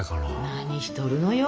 何しとるのよ。